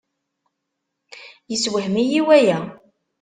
Yessewhem-iyi waya.